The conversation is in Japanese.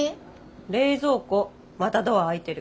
冷蔵庫またドア開いてる。